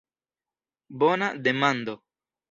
Bona demando.